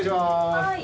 はい。